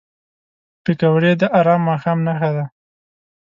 پکورې د ارام ماښام نښه ده